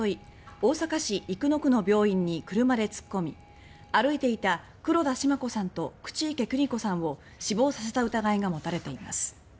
大阪市生野区の病院に車で突っ込み歩いていた黒田シマ子さんと口池邦子さんを死亡させた疑いが持たれています。